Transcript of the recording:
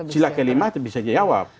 sila kelima bisa dijawab